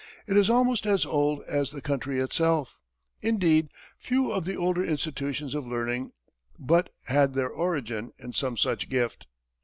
It is almost as old as the country itself. Indeed, few of the older institutions of learning but had their origin in some such gift.